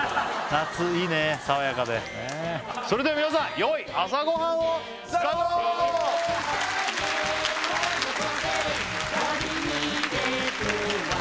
夏いいね爽やかでそれでは皆さんよい朝ごはんをさよなら！さよなら！